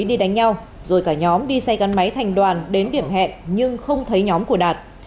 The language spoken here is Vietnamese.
đi đánh nhau rồi cả nhóm đi xe gắn máy thành đoàn đến điểm hẹn nhưng không thấy nhóm của đạt